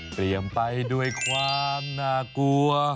เตรียมไปด้วยความนากลัว